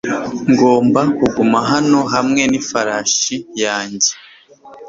Ngomba kuguma hano hamwe n'ifarashi yanjye .